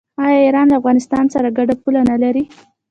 آیا ایران له افغانستان سره ګډه پوله نلري؟